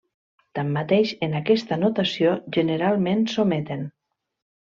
Tanmateix, en aquesta notació generalment s'ometen.